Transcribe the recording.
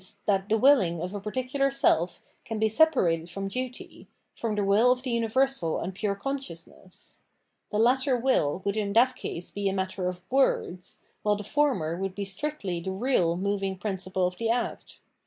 that the willing of a particular self can be separated from duty, from the wiU of the universal and pure consciousness : the latter will would in that case be a matter of words, while the former would be strictly the real moving principle of the act.